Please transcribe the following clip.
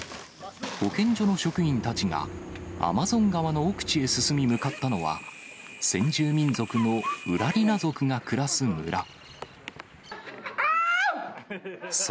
保健所の職員たちが、アマゾン川の奥地へ進み、向かったのは、先住民族のウラリナ族が暮らす村。